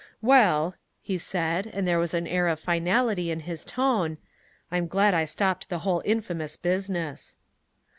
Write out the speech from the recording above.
"Well," he said, and there was an air of finality in his tone, "I'm glad I stopped the whole infamous business."